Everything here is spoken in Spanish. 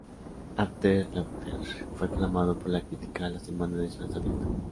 After Laughter fue aclamado por la crítica la semana de su lanzamiento.